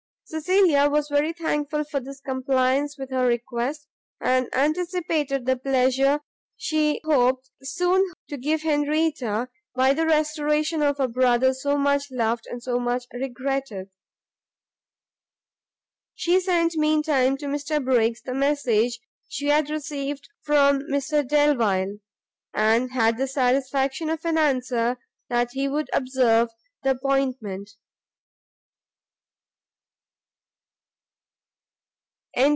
Cecilia was very thankful for this compliance with her request, and anticipated the pleasure she hoped soon to give Henrietta, by the restoration of a brother so much loved and so regretted. She sent, mean time, to Mr Briggs the message she had received from Mr Delvile, and had the satisfaction of an answer that he would observe the appointment.